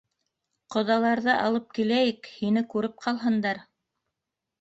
Ҡоҙаларҙы алып киләйек, һине күреп ҡалһындар.